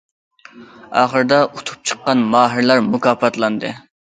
ئاخىرىدا ئۇتۇپ چىققان ماھىرلار مۇكاپاتلاندى.